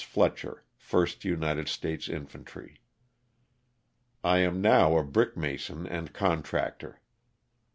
Fletcher, Ist United States Infantry. Am now a brick>mason and contractor.